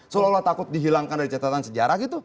seolah olah takut dihilangkan dari catatan sejarah gitu